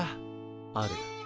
ある。